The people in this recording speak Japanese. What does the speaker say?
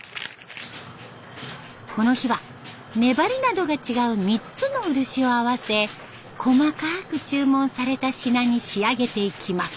この日は粘りなどが違う３つの漆を合わせ細かく注文された品に仕上げていきます。